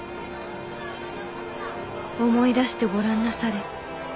「思い出してごらんなされ。